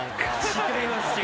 違います。